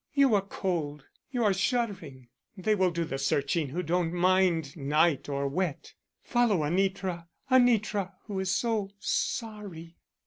"You are cold; you are shuddering; they will do the searching who don't mind night or wet. Follow Anitra, Anitra who is so sorry."